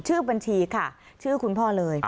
ชื่อบัญชีค่ะชื่อคุณพ่อเลย